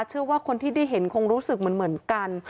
เชื่อว่าคนที่ได้เห็นคงรู้สึกเหมือนกัน